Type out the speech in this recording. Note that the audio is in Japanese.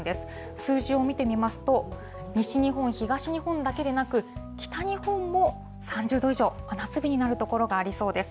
数字を見てみますと、西日本、東日本だけでなく、北日本も３０度以上、真夏日になる所がありそうです。